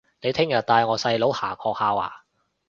你聽日帶我細佬行學校吖